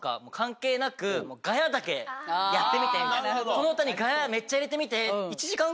この歌にガヤめっちゃ入れてみて。